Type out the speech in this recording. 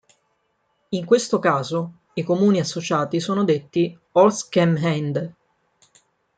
In questo caso, i comuni associati sono detti "Ortsgemeinde".